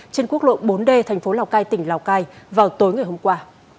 trên quốc lộ bốn d tp lào cai tỉnh lào cai vào tối ngày hôm qua